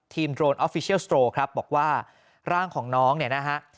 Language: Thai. โดรนออฟฟิเชียลสโตรครับบอกว่าร่างของน้องเนี่ยนะฮะ